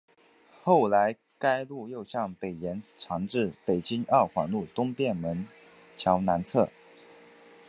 后来该路又向北延长至北京二环路东便门桥南侧。